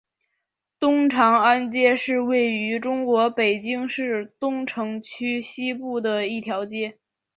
东长安街是位于中国北京市东城区西部的一条街。